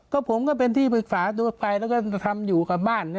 ก็ผมก็เป็นที่ปรึกษาตัวไปแล้วก็ทำอยู่กับบ้าน